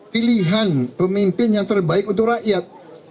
pilihan pemimpin yang terbaik untuk rakyat